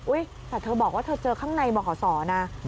อุ๊ยแต่เธอบอกว่าเธอเจอข้างในเหมาะขอสอน่ะ